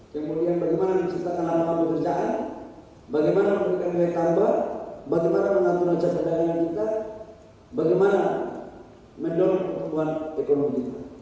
pemerintah yang dilakukan adalah untuk mempercepatkan investasi kemudian bagaimana menciptakan alaman pekerjaan bagaimana memperlukan nilai tambah bagaimana mengatur aja padanya yang diperlukan bagaimana mendorong kekeluhan ekonomi